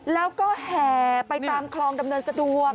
แล้วก็แห่ไปตามคลองดำเนินสะดวก